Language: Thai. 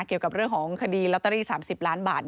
เกี่ยวกับเรื่องของคดีลอตเตอรี่๓๐ล้านบาท